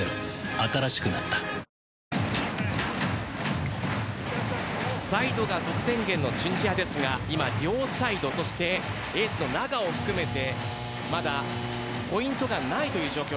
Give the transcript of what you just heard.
新しくなったサイドが得点源のチュニジアですが今、両サイドそしてエースのナガを含めてまだポイントがないという状況。